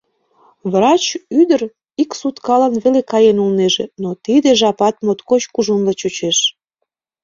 Врач ӱдыр ик суткалан веле каен улнеже, но тиде жапат моткоч кужунла чучеш.